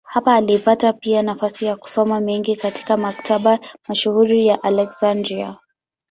Hapa alipata pia nafasi ya kusoma mengi katika maktaba mashuhuri ya Aleksandria.